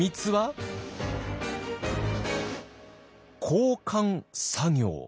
「交換作業」。